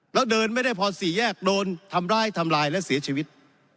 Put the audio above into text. แล้วเดินไม่ได้พอสี่แยกโดนทำร้ายทำลายและเสียชีวิต